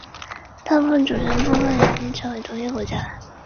这可以用高斯算法验证。